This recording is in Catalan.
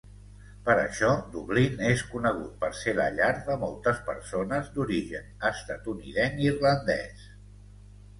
Per això, Dublín és conegut per ser la llar de moltes persones d'origen estatunidenc-irlandès.